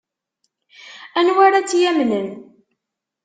Anwa ara tt-yamnen?